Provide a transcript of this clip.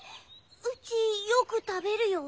うちよくたべるよ。